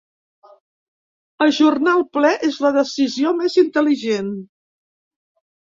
Ajornar el ple és la decisió més intel·ligent.